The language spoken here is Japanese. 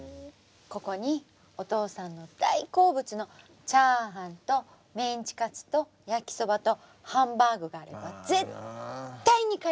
ここにお父さんの大好物のチャーハンとメンチカツと焼きそばとハンバーグがあれば絶対に帰ってくるから。